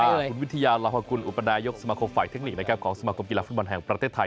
คุณวิทยารับความขอบคุณอุปนาหยกสมาครกรมฝ่ายเทคนิคในแกรมของสมาครกรมกีฬาฝุ่นบอลแห่งประเทศไทย